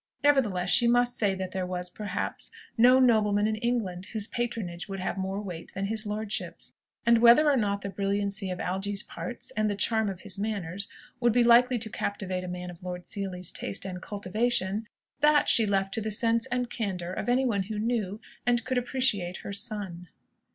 Nevertheless, she must say that there was, perhaps, no nobleman in England whose patronage would have more weight than his lordship's; and whether or not the brilliancy of Algy's parts, and the charm of his manners, would be likely to captivate a man of Lord Seely's taste and cultivation; that she left to the sense and candour of any one who knew, and could appreciate her son.